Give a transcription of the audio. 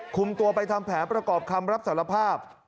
คุมตัวไปทำแผนประกอบคำรับสารภาพ